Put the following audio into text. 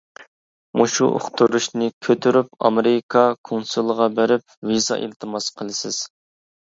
مۇشۇ ئۇقتۇرۇشنى كۆتۈرۈپ ئامېرىكا كونسۇلىغا بېرىپ ۋىزا ئىلتىماس قىلىسىز.